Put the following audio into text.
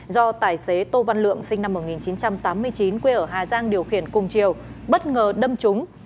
do tài xế tô văn lượng sinh năm một nghìn chín trăm tám mươi chín quê ở hà giang điều khiển cùng chiều bất ngờ đâm trúng